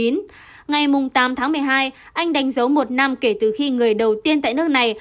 ngày tám tháng một mươi hai anh đánh dấu một năm kể từ khi người đầu tiên tại nước này